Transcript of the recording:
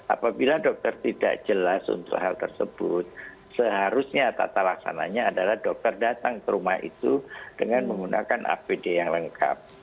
apabila dokter tidak jelas untuk hal tersebut seharusnya tata laksananya adalah dokter datang ke rumah itu dengan menggunakan apd yang lengkap